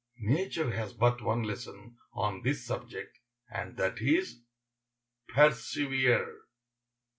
Nature has but one lesson on this subject, and that is, "Persevere."